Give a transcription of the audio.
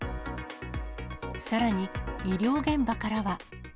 さらに医療現場からは。